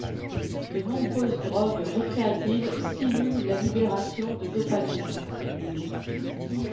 De nombreuses drogues récréatives stimulent la libération de dopamine.